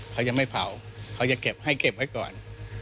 เขายังไม่เผาเขาจะเก็บให้เก็บไว้ก่อน